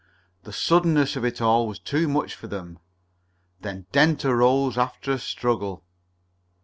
The suddenness of it all was too much for them. Then Dent arose after a struggle.